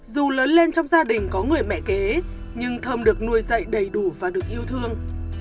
dù lớn lên trong gia đình có người mẹ kế nhưng thơm được nuôi dạy đầy đủ và được yêu thương